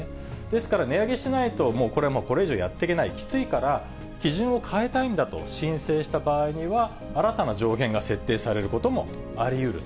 ですから、値上げしないともうこれ以上やっていけない、きついから、基準を変えたいんだと申請した場合には、新たな上限が設定されることもありうる。